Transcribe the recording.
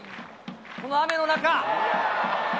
この雨の中。